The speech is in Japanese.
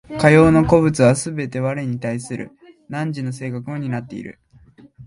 かような個物はすべて我に対する汝の性格を担っている。